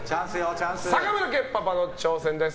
坂村家パパの挑戦です。